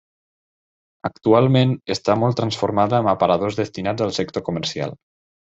Actualment està molt transformada amb aparadors destinats al sector comercial.